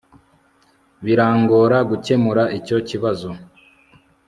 Birangora gukemura icyo kibazo